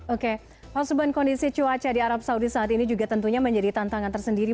oke pak suben kondisi cuaca di arab saudi saat ini juga tentunya menjadi tantangan tersendiri